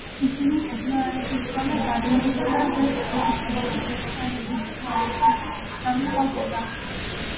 ისინი ერთმანეთისგან გარემოსა და მთელ ეკოსისტემაზე ზემოქმედების ხარისხით განსხვავდება.